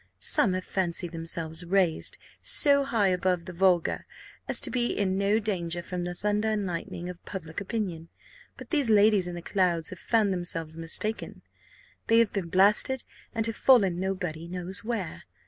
Some have fancied themselves raised so high above the vulgar as to be in no danger from the thunder and lightning of public opinion; but these ladies in the clouds have found themselves mistaken they have been blasted, and have fallen nobody knows where!